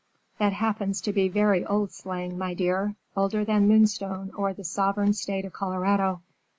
"That happens to be very old slang, my dear. Older than Moonstone or the sovereign State of Colorado.